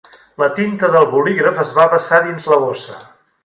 La tinta del bolígraf es va vessar dins la bossa.